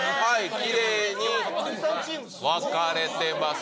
きれいに分かれてます。